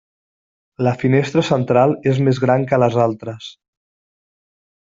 La finestra central és més gran que les altres.